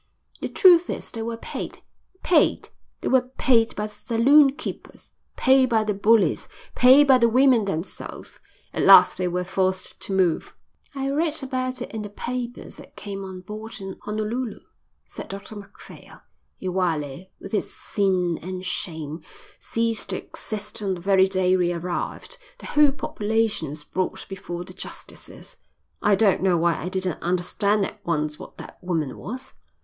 The truth is, they were paid. Paid. They were paid by the saloon keepers, paid by the bullies, paid by the women themselves. At last they were forced to move." "I read about it in the papers that came on board in Honolulu," said Dr Macphail. "Iwelei, with its sin and shame, ceased to exist on the very day we arrived. The whole population was brought before the justices. I don't know why I didn't understand at once what that woman was."